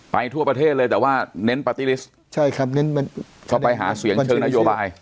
ไปทั่วประเทศเลยแต่ว่าเน้นใช่ครับเน้นต่อไปหาเสียงเชิงนะ